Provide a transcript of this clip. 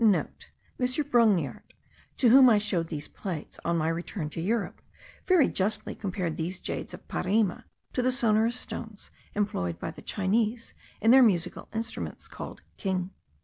*(* M. Brongniart, to whom I showed these plates on my return to Europe, very justly compared these jades of Parime to the sonorous stones employed by the Chinese in their musical instruments called king.)